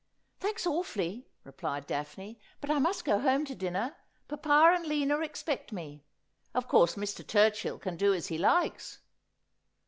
' Thanks awfully,' replied Daphne ;' but I must go home to dinner. Papa and Lina expect me. Of course Mr. Turchill can do as he likes.'